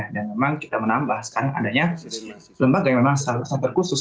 dan memang kita menambahkan adanya lembaga yang memang sangat terkhusus